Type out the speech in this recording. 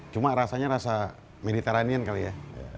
cuma rasanya rasa militeranian kali ya